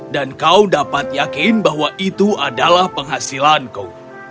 dan kau dapat yakin bahwa itu adalah penghasilanku